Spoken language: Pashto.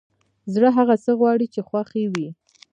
زړه هغه څه غواړي چې خوښ يې وي!